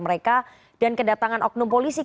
mereka dan kedatangan oknum polisi